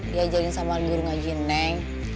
dia ajarin sama guru ngajiin neng